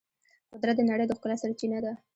قدرت د نړۍ د ښکلا سرچینه ده.